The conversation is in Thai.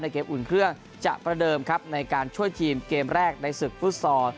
เกมอุ่นเครื่องจะประเดิมครับในการช่วยทีมเกมแรกในศึกฟุตซอล